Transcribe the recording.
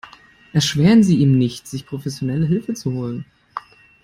Erschweren Sie ihm nicht, sich professionelle Hilfe zu holen.